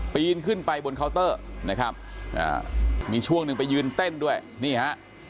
ปีนขึ้นไปบนเคาน์เตอร์นะครับมีช่วงหนึ่งไปยืนเต้นด้วยนี่ฮะ